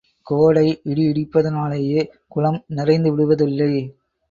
கோடை இடிஇடிப்பதினாலேயே குளம் நிறைந்துவிடுவதில்லை.